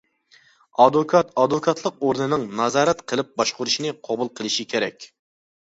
ئادۋوكات ئادۋوكاتلىق ئورنىنىڭ نازارەت قىلىپ باشقۇرۇشنى قوبۇل قىلىشى كېرەك.